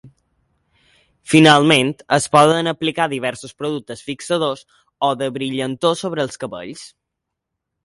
Finalment, es poden aplicar diversos productes fixadors o de brillantor sobre els cabells.